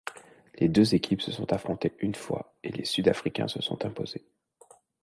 Les deux équipes se sont affrontées une fois et les sud-africains se sont imposés.